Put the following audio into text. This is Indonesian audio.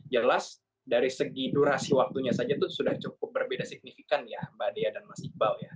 jelas dari segi durasi waktunya saja itu sudah cukup berbeda signifikan ya mbak dea dan mas iqbal ya